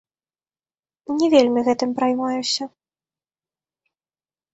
Не вельмі гэтым праймаюся.